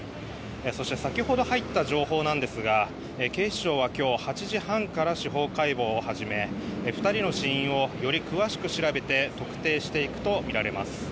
そして先ほど入った情報なんですが警視庁は今日８時半から司法解剖をはじめ２人の死因をより詳しく調べて特定していくとみられます。